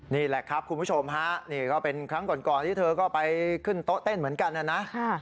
นี่แหละครับคุณผู้ชมฮะนี่ก็เป็นครั้งก่อนที่เธอก็ไปขึ้นโต๊ะเต้นเหมือนกันนะนะ